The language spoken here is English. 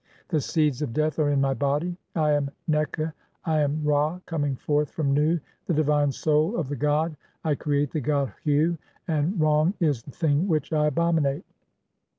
(i3) The seeds 'of death are in my body. I am Nekh, I am Ra, coming forth 'from Nu, the divine soul of the god. I create the god (14) Hu ; 'and wrong is the thing which I abominate.